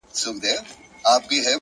مازغهٔ مې زړهٔ ، زړهٔ مې مازغهٔ پوهه کړي